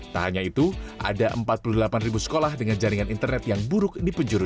tak hanya itu ada empat puluh delapan sekolah dengan jaringan internet yang buruk di penjuru